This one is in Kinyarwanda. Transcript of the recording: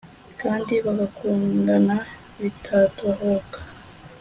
kandi bagakundana bitadohoka;